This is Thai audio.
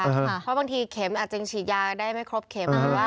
เพราะบางทีเข็มอาจจะฉีดยาได้ไม่ครบเข็ม